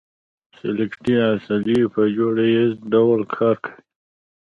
سکلیټي عضلې په جوړه ییز ډول کار کوي.